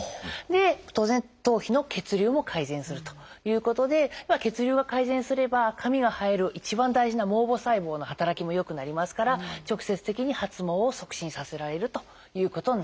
で当然頭皮の血流も改善するということで血流が改善すれば髪が生える一番大事な毛母細胞の働きも良くなりますから直接的に発毛を促進させられるということになっていますね。